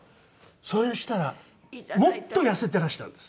それにしたらもっと痩せてらしたんです。